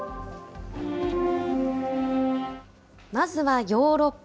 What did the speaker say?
まずはヨーロッパ。